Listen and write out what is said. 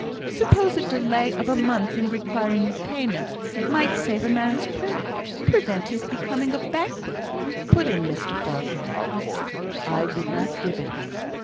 "Suppose a delay of a month in requiring payment might save a man's credit prevent his becoming a bankrupt?" put in Mr Farquhar. "I would not give it him.